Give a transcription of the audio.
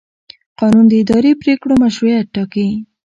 قانون د اداري پرېکړو مشروعیت ټاکي.